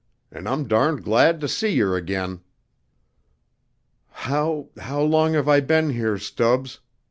An' I'm darned glad to see yer again." "How how long have I been here, Stubbs?"